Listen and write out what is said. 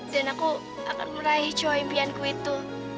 dan aku akan meraih cowok impianku itu